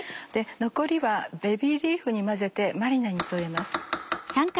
残りはベビーリーフに混ぜてマリネに添えます。